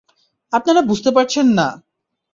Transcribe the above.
আপনারা বুঝতে পারছেন না!